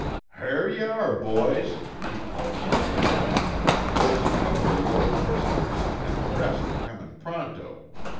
"Hyar yuh are, boys," he called heartily. "Thar's a couple o' yore prisoners an' the rest are comin' pronto."